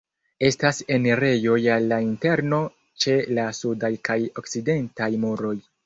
Estas enirejoj al la interno ĉe la sudaj kaj okcidentaj muroj.